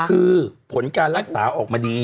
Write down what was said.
คือผลการรักษาออกมาดี